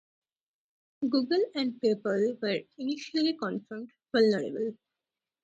Google and PayPal were initially confirmed vulnerable.